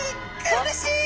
苦しい。